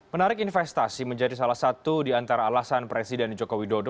menarik investasi menjadi salah satu di antara alasan presiden joko widodo